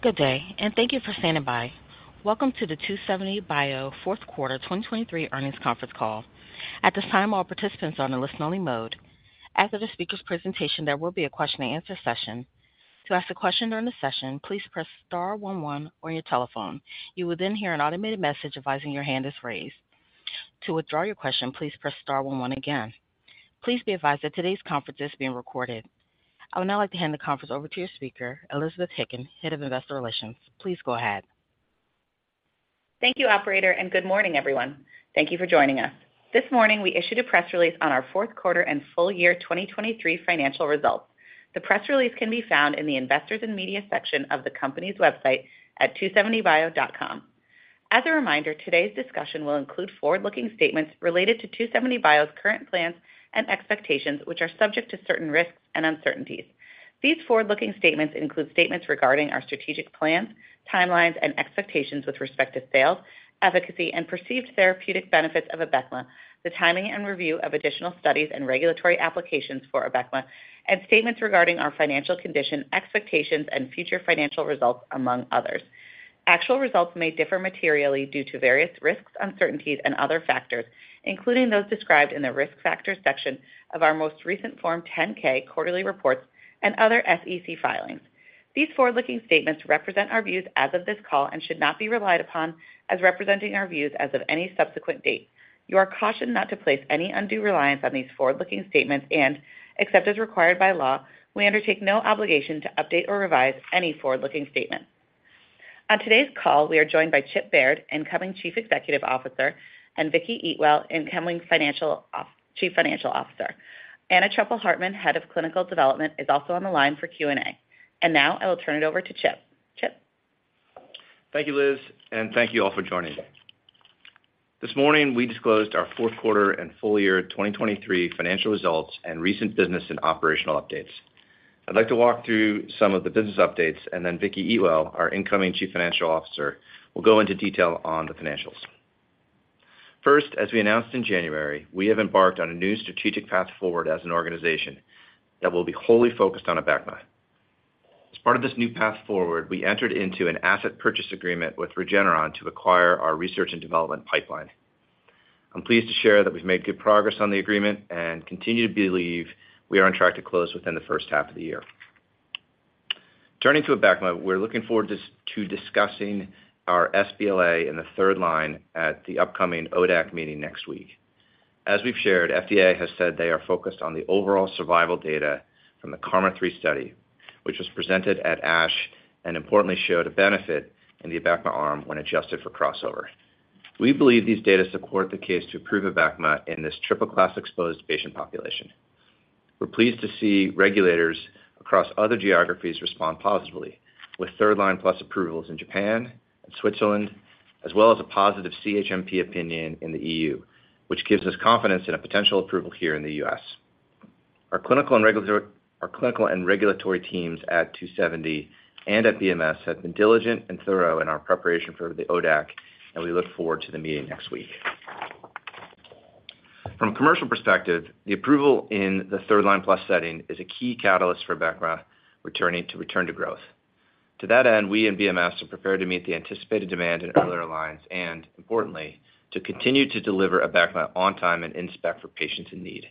Good day and thank you for standing by. Welcome to the 2seventy bio fourth quarter 2023 earnings conference call. At this time, all participants are on a listen-only mode. After the speaker's presentation, there will be a question-and-answer session. To ask a question during the session, please press star one one on your telephone. You will then hear an automated message advising your hand is raised. To withdraw your question, please press star one one again. Please be advised that today's conference is being recorded. I would now like to hand the conference over to your speaker, Elizabeth Hicken, Head of Investor Relations. Please go ahead. Thank you, operator, and good morning, everyone. Thank you for joining us. This morning, we issued a press release on our fourth quarter and full year 2023 financial results. The press release can be found in the Investors and Media section of the company's website at 2seventybio.com. As a reminder, today's discussion will include forward-looking statements related to 2seventy bio's current plans and expectations, which are subject to certain risks and uncertainties. These forward-looking statements include statements regarding our strategic plans, timelines, and expectations with respect to sales, efficacy, and perceived therapeutic benefits of Abecma, the timing and review of additional studies and regulatory applications for Abecma, and statements regarding our financial condition, expectations, and future financial results, among others. Actual results may differ materially due to various risks, uncertainties, and other factors, including those described in the Risk Factors section of our most recent Form 10-K quarterly reports and other SEC filings. These forward-looking statements represent our views as of this call and should not be relied upon as representing our views as of any subsequent date. You are cautioned not to place any undue reliance on these forward-looking statements, and except as required by law, we undertake no obligation to update or revise any forward-looking statement. On today's call, we are joined by Chip Baird, Incoming Chief Executive Officer, and Vicki Eatwell, Incoming Chief Financial Officer. Anna Truppel-Hartmann, Head of Clinical Development, is also on the line for Q&A. And now I will turn it over to Chip. Chip? Thank you, Liz, and thank you all for joining. This morning, we disclosed our fourth quarter and full year 2023 financial results and recent business and operational updates. I'd like to walk through some of the business updates, and then Vicki Eatwell, our Incoming Chief Financial Officer, will go into detail on the financials. First, as we announced in January, we have embarked on a new strategic path forward as an organization that will be wholly focused on Abecma. As part of this new path forward, we entered into an asset purchase agreement with Regeneron to acquire our research and development pipeline. I'm pleased to share that we've made good progress on the agreement and continue to believe we are on track to close within the first half of the year. Turning to Abecma, we're looking forward to discussing our sBLA in the third-line at the upcoming ODAC meeting next week. As we've shared, FDA has said they are focused on the overall survival data from the KarMMa-3 study, which was presented at ASH and importantly showed a benefit in the Abecma arm when adjusted for crossover. We believe these data support the case to approve Abecma in this triple-class-exposed patient population. We're pleased to see regulators across other geographies respond positively, with third line-plus approvals in Japan and Switzerland, as well as a positive CHMP opinion in the E.U., which gives us confidence in a potential approval here in the U.S. Our clinical and regulatory teams at 2seventy bio and at BMS have been diligent and thorough in our preparation for the ODAC, and we look forward to the meeting next week. From a commercial perspective, the approval in the third-line-plus setting is a key catalyst for Abecma returning to return to growth. To that end, we and BMS are prepared to meet the anticipated demand in earlier lines and, importantly, to continue to deliver Abecma on time and in spec for patients in need.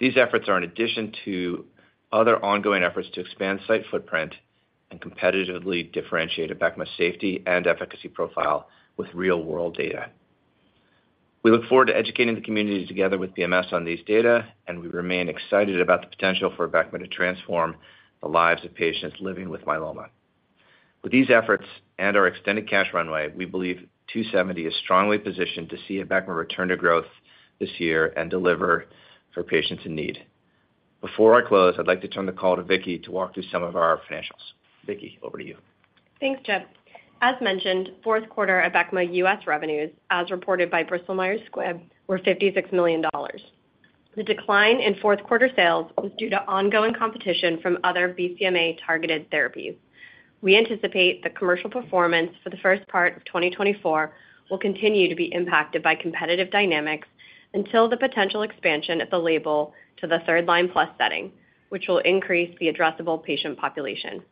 These efforts are in addition to other ongoing efforts to expand site footprint and competitively differentiate Abecma's safety and efficacy profile with real-world data. We look forward to educating the community together with BMS on these data, and we remain excited about the potential for Abecma to transform the lives of patients living with myeloma. With these efforts and our extended cash runway, we believe 2seventy bio is strongly positioned to see Abecma return to growth this year and deliver for patients in need. Before I close, I'd like to turn the call to Vicki to walk through some of our financials. Vicki, over to you. Thanks, Chip. As mentioned, fourth quarter Abecma U.S. revenues, as reported by Bristol Myers Squibb, were $56 million. The decline in fourth-quarter sales was due to ongoing competition from other BCMA-targeted therapies. We anticipate the commercial performance for the first part of 2024 will continue to be impacted by competitive dynamics until the potential expansion of the label to the third-line-plus setting, which will increase the addressable patient population.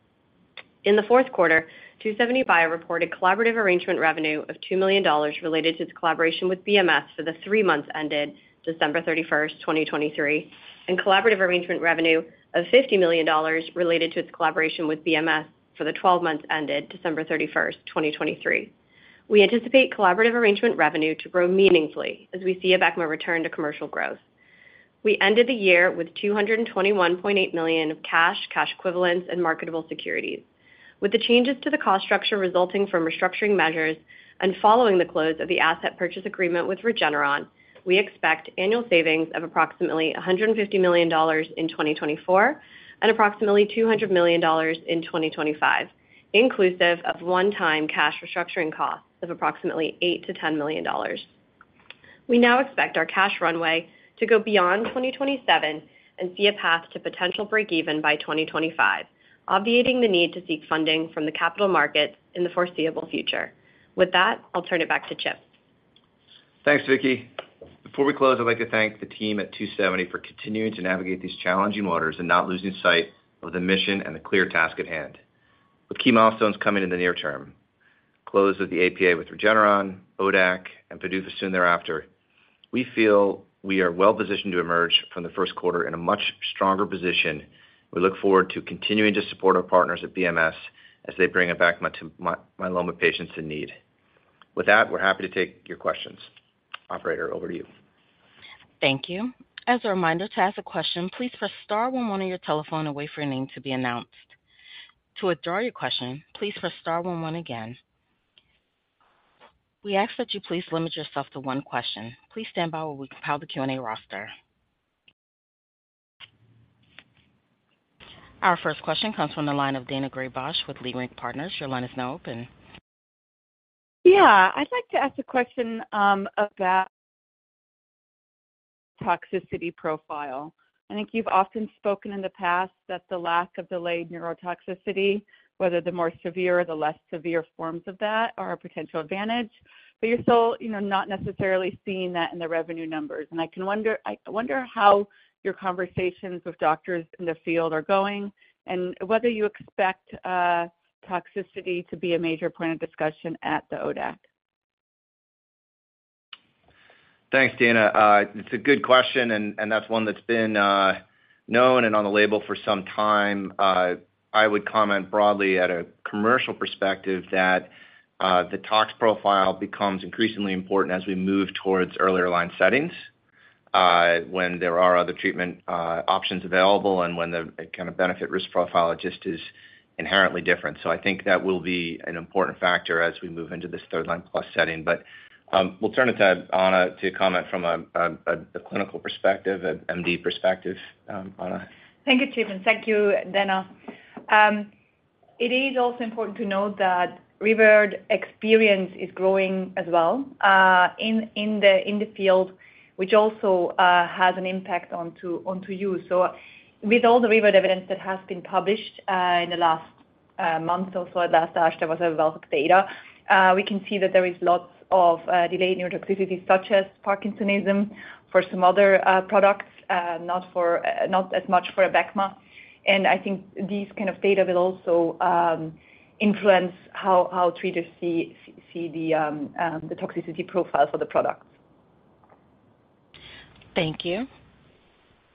In the fourth quarter, 2seventy bio reported collaborative arrangement revenue of $2 million related to its collaboration with BMS for the three months ended December 31, 2023, and collaborative arrangement revenue of $50 million related to its collaboration with BMS for the 12 months ended December 31, 2023. We anticipate collaborative arrangement revenue to grow meaningfully as we see Abecma return to commercial growth. We ended the year with $221.8 million of cash, cash equivalents, and marketable securities. With the changes to the cost structure resulting from restructuring measures and following the close of the asset purchase agreement with Regeneron, we expect annual savings of approximately $150 million in 2024, and approximately $200 million in 2025, inclusive of one-time cash restructuring costs of approximately $8 million-$10 million. We now expect our cash runway to go beyond 2027 and see a path to potential breakeven by 2025, obviating the need to seek funding from the capital markets in the foreseeable future. With that, I'll turn it back to Chip. Thanks, Vicki. Before we close, I'd like to thank the team at 2seventy bio for continuing to navigate these challenging waters and not losing sight of the mission and the clear task at hand. With key milestones coming in the near term, close with the APA, with Regeneron, ODAC, and PDUFA soon thereafter, we feel we are well-positioned to emerge from the first quarter in a much stronger position. We look forward to continuing to support our partners at BMS as they bring Abecma to myeloma patients in need. With that, we're happy to take your questions. Operator, over to you. Thank you. As a reminder, to ask a question, please press star one one on your telephone and wait for your name to be announced. To withdraw your question, please press star one one again. We ask that you please limit yourself to one question. Please stand by while we compile the Q&A roster. Our first question comes from the line of Daina Graybosch with Leerink Partners. Your line is now open. Yeah, I'd like to ask a question about toxicity profile. I think you've often spoken in the past that the lack of delayed neurotoxicity, whether the more severe or the less severe forms of that, are a potential advantage, but you're still, you know, not necessarily seeing that in the revenue numbers. I wonder how your conversations with doctors in the field are going, and whether you expect toxicity to be a major point of discussion at the ODAC. Thanks, Daina. It's a good question, and that's one that's been known and on the label for some time. I would comment broadly at a commercial perspective that the tox profile becomes increasingly important as we move towards earlier line settings, when there are other treatment options available and when the kind of benefit risk profile just is inherently different. So I think that will be an important factor as we move into this third line-plus setting. But we'll turn it to Anna to comment from a clinical perspective, an MD perspective. Anna? Thank you, Chip, and thank you, Daina. It is also important to note that real world experience is growing as well, in the field, which also has an impact onto you. So with all the real-world evidence that has been published, in the last month or so, at last ASH, there was a wealth of data. We can see that there is lots of delayed neurotoxicity, such as Parkinsonism, for some other products, not for, not as much for Abecma. And I think these kind of data will also influence how treating physicians see the toxicity profile for the product. Thank you.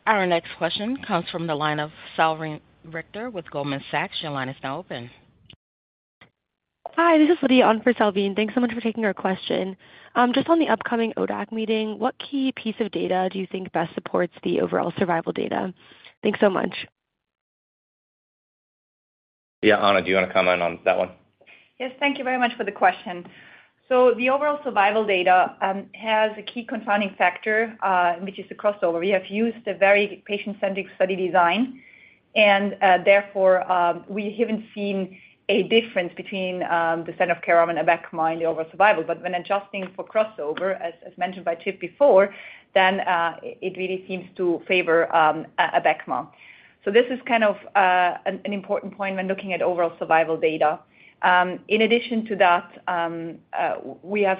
Our next question comes from the line of Salveen Richter with Goldman Sachs. Your line is now open. Hi, this is Lydia on for Salveen. Thanks so much for taking our question. Just on the upcoming ODAC meeting, what key piece of data do you think best supports the overall survival data? Thanks so much. Yeah, Anna, do you want to comment on that one? Yes, thank you very much for the question. So the overall survival data has a key confounding factor, which is the crossover. We have used a very patient-centric study design, and therefore we haven't seen a difference between the standard of care on Abecma in the overall survival. But when adjusting for crossover, as mentioned by Chip before, then it really seems to favor Abecma. So this is kind of an important point when looking at overall survival data. In addition to that, we have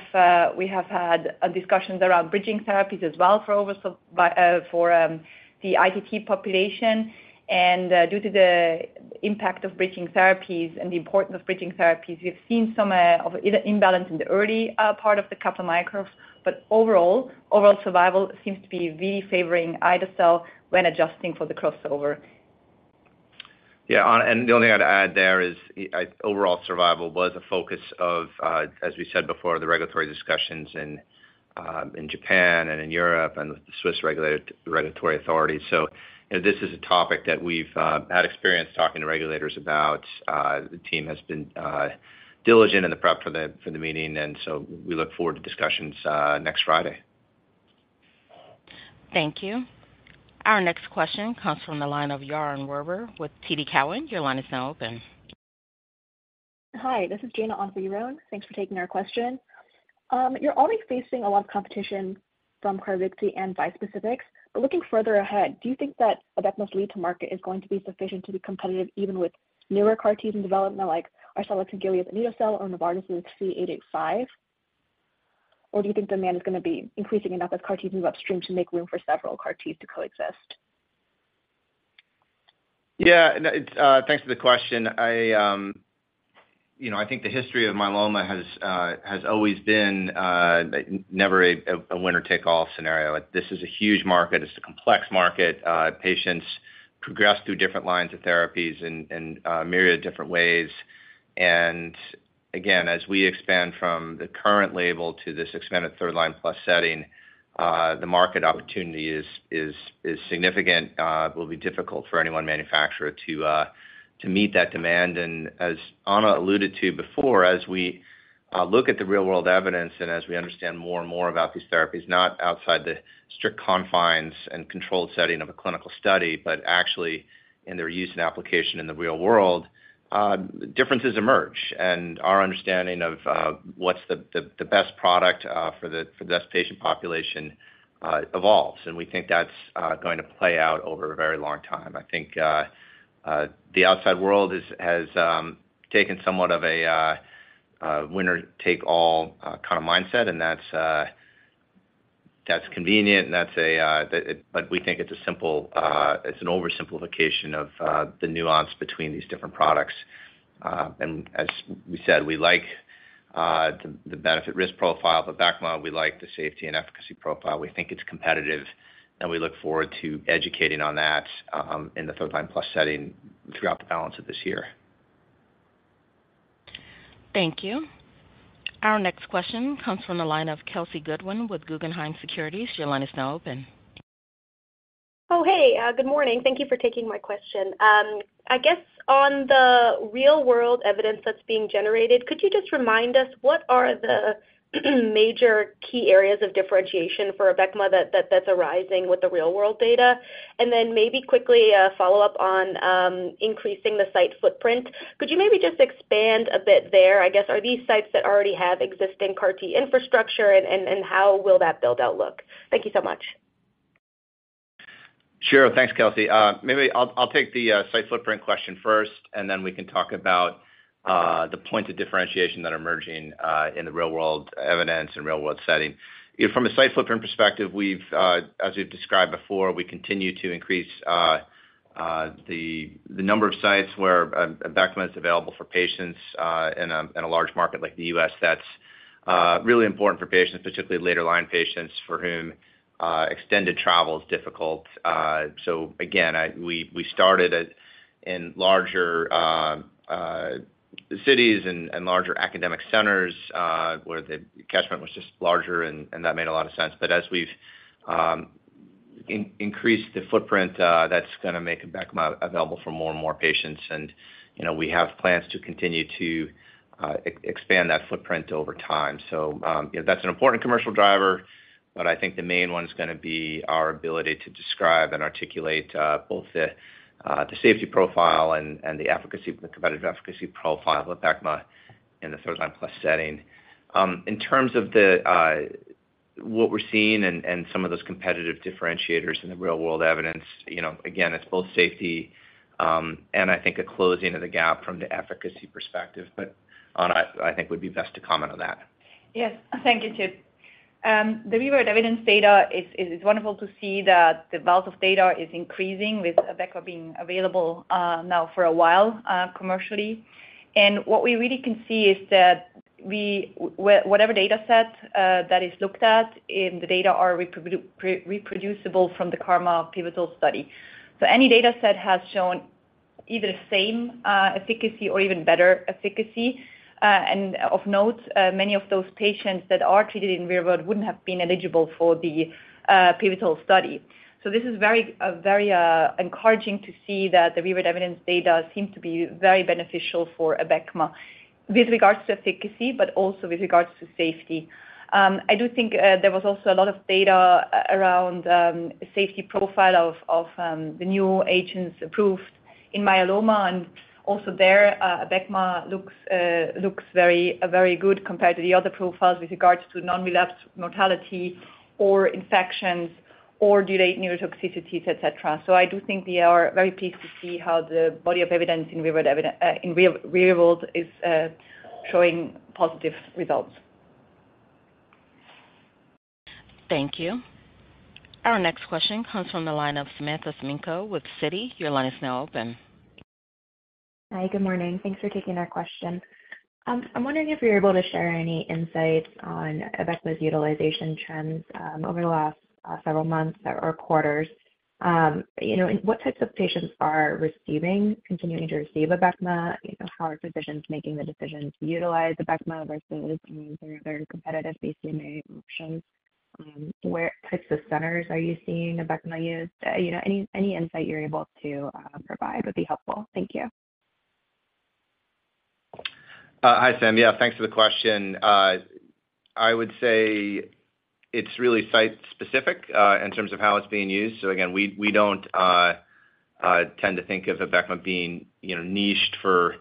had discussions around bridging therapies as well for the ITT population. Due to the impact of bridging therapies and the importance of bridging therapies, we've seen some of either imbalance in the early part of the couple months, but overall, overall survival seems to be really favoring ide-cel when adjusting for the crossover. Yeah, Anna, and the only thing I'd add there is overall survival was a focus of, as we said before, the regulatory discussions in Japan and in Europe and with the Swiss regulatory authorities. So, you know, this is a topic that we've had experience talking to regulators about. The team has been diligent in the prep for the meeting, and so we look forward to discussions next Friday. Thank you. Our next question comes from the line of Yaron Werber with TD Cowen. Your line is now open. Hi, this is Jana on for Yaron. Thanks for taking our question. You're only facing a lot of competition from Carvykti in biospecifics, but looking further ahead, do you think that Abecma's lead to market is going to be sufficient to be competitive, even with newer CAR-T's in development, like Arcellx Gilead's anito-cel or Novartis' PHE885? Or do you think demand is gonna be increasing enough as CAR-T moves upstream to make room for several CAR-T to coexist? Yeah, no, it's thanks for the question. You know, I think the history of myeloma has always been never a winner-take-all scenario. This is a huge market. It's a complex market. Patients progress through different lines of therapies in a myriad of different ways. And again, as we expand from the current label to this expanded third line-plus setting, the market opportunity is significant. It will be difficult for any one manufacturer to meet that demand. And as Anna alluded to before, as we look at the real-world evidence and as we understand more and more about these therapies, not outside the strict confines and controlled setting of a clinical study, but actually in their use and application in the real world, differences emerge, and our understanding of what's the best product for the best patient population evolves, and we think that's going to play out over a very long time. I think the outside world is, has taken somewhat of a winner take all kind of mindset, and that's that's convenient, and that's a but we think it's a simple, it's an oversimplification of the nuance between these different products. And as we said, we like the benefit-risk profile of Abecma. We like the safety and efficacy profile. We think it's competitive, and we look forward to educating on that in the third-line-plus setting throughout the balance of this year. Thank you. Our next question comes from the line of Kelsey Goodwin with Guggenheim Securities. Your line is now open. Oh, hey. Good morning. Thank you for taking my question. I guess on the real-world evidence that's being generated, could you just remind us what are the major key areas of differentiation for Abecma that that's arising with the real-world data? And then maybe quickly, follow up on increasing the site footprint. Could you maybe just expand a bit there? I guess, are these sites that already have existing CAR T infrastructure, and how will that build out look? Thank you so much. Sure. Thanks, Kelsey. Maybe I'll take the site footprint question first, and then we can talk about the points of differentiation that are emerging in the real world evidence and real world setting. From a site footprint perspective, we've, as we've described before, we continue to increase the number of sites where Abecma is available for patients in a large market like the U.S. That's really important for patients, particularly later line patients for whom extended travel is difficult. So again, we started in larger cities and larger academic centers where the catchment was just larger and that made a lot of sense. But as we've increased the footprint, that's gonna make Abecma available for more and more patients. You know, we have plans to continue to expand that footprint over time. So, you know, that's an important commercial driver, but I think the main one is gonna be our ability to describe and articulate both the safety profile and the efficacy, the competitive efficacy profile of Abecma in the third-line-plus setting. In terms of what we're seeing and some of those competitive differentiators in the real-world evidence, you know, again, it's both safety and I think a closing of the gap from the efficacy perspective, but Anna, I think, would be best to comment on that. Yes. Thank you, Chip. The real-world evidence data is wonderful to see that the wealth of data is increasing with Abecma being available now for a while commercially. And what we really can see is that whatever data set that is looked at in the data are reproducible from the KarMMa pivotal study. So any data set has shown either same efficacy or even better efficacy. And of note, many of those patients that are treated in real-world wouldn't have been eligible for the pivotal study. So this is very encouraging to see that the real-world evidence data seem to be very beneficial for Abecma with regards to efficacy, but also with regards to safety. I do think there was also a lot of data around safety profile of the new agents approved in myeloma, and also Abecma looks very, very good compared to the other profiles with regards to non-relapse mortality or infections or delayed neurotoxicities, et cetera. So I do think we are very pleased to see how the body of evidence in real-world evidence is showing positive results. Thank you. Our next question comes from the line of Samantha Semenkow with Citi. Your line is now open. Hi, good morning. Thanks for taking our question. I'm wondering if you're able to share any insights on Abecma's utilization trends over the last several months or quarters. You know, and what types of patients are receiving, continuing to receive Abecma? You know, how are physicians making the decision to utilize Abecma versus their competitive BCMA options? Where types of centers are you seeing Abecma used? You know, any insight you're able to provide would be helpful. Thank you. Hi, Sam. Yeah, thanks for the question. I would say it's really site specific in terms of how it's being used. So again, we don't tend to think of Abecma being, you know, niched for,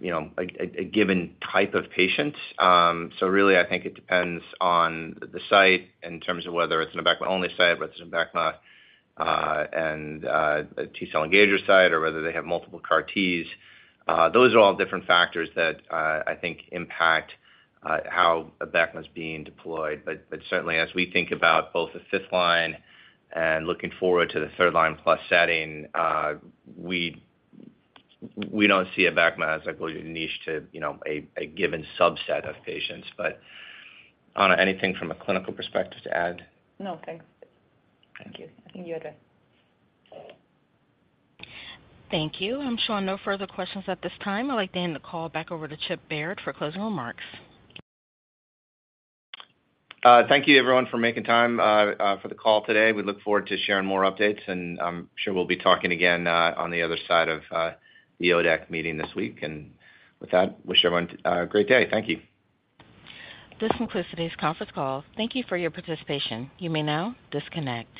you know, a given type of patient. So really, I think it depends on the site in terms of whether it's an Abecma-only site, whether it's an Abecma and a T-cell engager site, or whether they have multiple CAR-Ts. Those are all different factors that I think impact how Abecma is being deployed. But certainly as we think about both the fifth line and looking forward to the third line plus setting, we don't see Abecma as like a niche to, you know, a given subset of patients. Anna, anything from a clinical perspective to add? No, thanks. Thank you. I think you're good. Thank you. I'm showing no further questions at this time. I'd like to hand the call back over to Chip Baird for closing remarks. Thank you, everyone, for making time for the call today. We look forward to sharing more updates, and I'm sure we'll be talking again on the other side of the ODAC meeting this week. With that, wish everyone a great day. Thank you. This concludes today's conference call. Thank you for your participation. You may now disconnect.